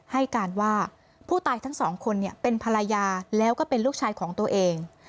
ให้การว่าผู้ตายทั้งสองคนเป็นภรรยาแล้วก็เป็นลูกชายของตัวเอง